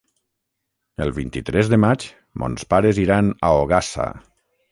El vint-i-tres de maig mons pares iran a Ogassa.